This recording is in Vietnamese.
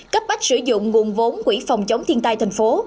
cấp bách sử dụng nguồn vốn quỹ phòng chống thiên tai thành phố